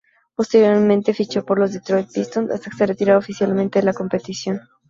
Posteriormente fichó por los Detroit Pistons hasta que se retirara oficialmente de la competición.